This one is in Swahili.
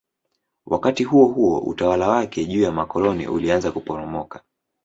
Wakati huohuo utawala wake juu ya makoloni ulianza kuporomoka.